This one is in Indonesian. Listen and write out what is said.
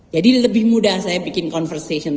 jadi lebih mudah saya bikin conversation